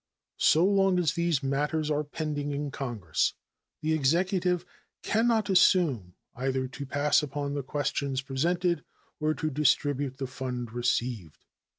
So long as these matters are pending in Congress the Executive can not assume either to pass upon the questions presented or to distribute the fund received.